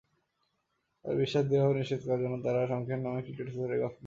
তাদের বিশ্বাস দৃঢ়ভাবে নিশ্চিত করার জন্য তারা শঙ্খের নামে সিক্রেট সোসাইটি গঠন করে।